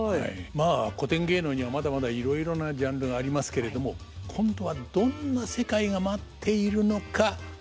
まあ古典芸能にはまだまだいろいろなジャンルがありますけれども今度はどんな世界が待っているのか大久保さん楽しみですね。